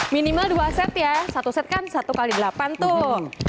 minimal dua set ya satu set kan satu x delapan tuh